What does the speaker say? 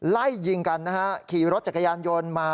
ไล่ยิงกันนะฮะขี่รถจักรยานยนต์มา